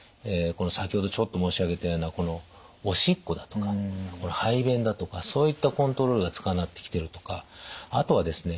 先ほどちょっと申し上げたようなおしっこだとか排便だとかそういったコントロールがつかなくなってきてるとかあとはですね